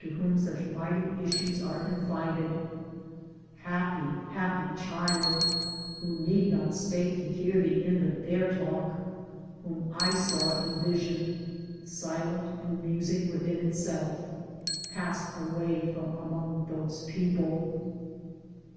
to whom such mighty issues are confided ! Happy happy Child ! who need not stay to hear the end of their talk ! whom I saw, in vision, silent and musing within itself, pass away from among those people.